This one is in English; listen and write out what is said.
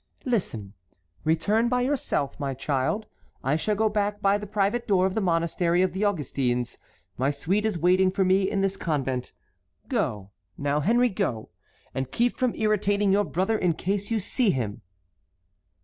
Listen, return by yourself, my child. I shall go back by the private door of the monastery of the Augustines. My suite is waiting for me in this convent. Go, now, Henry, go, and keep from irritating your brother in case you see him."